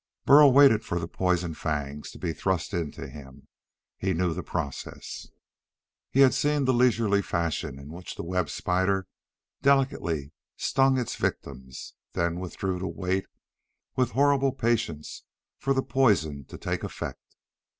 Burl waited for the poison fangs to be thrust into him. He knew the process. He had seen the leisurely fashion in which the web spider delicately stung its victim, then withdrew to wait with horrible patience for the poison to take effect.